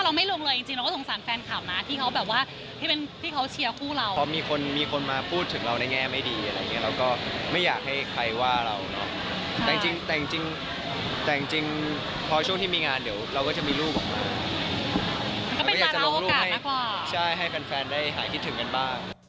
ฮะฮะฮะฮะฮะฮะฮะฮะฮะฮะฮะฮะฮะฮะฮะฮะฮะฮะฮะฮะฮะฮะฮะฮะฮะฮะฮะฮะฮะฮะฮะฮะฮะฮะฮะฮะฮะฮะฮะฮะฮะฮะฮะฮะฮะฮะฮะฮะฮะฮะฮะฮะฮะฮะฮะฮะ